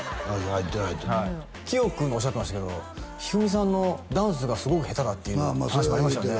入ってる入ってるキヨ君おっしゃってましたけど一二三さんのダンスがすごく下手だっていう話もありましたね